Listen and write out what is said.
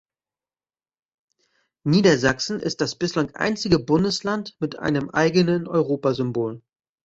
Niedersachsen ist das bislang einzige Bundesland mit einem eigenen Europa-Symbol.